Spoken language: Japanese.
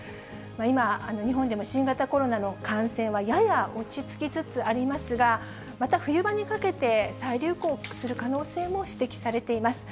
今、日本でも新型コロナの感染はやや落ち着きつつありますが、また冬場にかけて再流行する可能性も指摘されています。